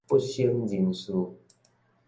不省人事